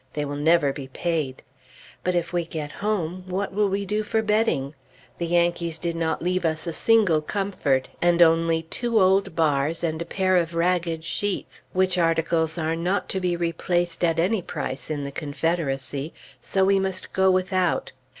They will never be paid. But if we get home, what will we do for bedding? The Yankees did not leave us a single comfort, and only two old bars and a pair of ragged sheets, which articles are not to be replaced at any price in the Confederacy, so we must go without.